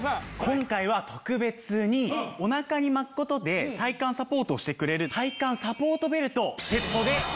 今回は特別におなかに巻く事で体幹サポートをしてくれる体幹サポートベルトをセットでお届け致します。